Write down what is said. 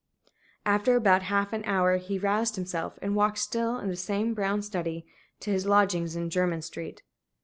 After about half an hour he roused himself, and walked, still in the same brown study, to his lodgings in Jermyn Street.